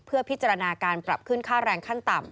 เพื่อพิจารณาการปรับขึ้นค่าแรงขั้นต่ำ